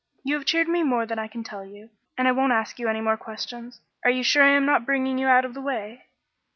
"You have cheered me more than I can tell you, and I won't ask you any more questions. Are you sure I am not bringing you out of the way?"